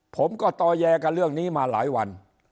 ผมก็ต่อแยกับเรื่องนี้มาหลายวัน